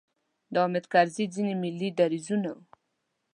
د حامد کرزي ځینې ملي دریځونو.